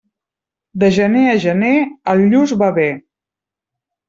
De gener a gener el lluç va bé.